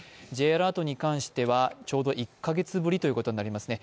Ｊアラートに関しては１か月ぶりということになりますね。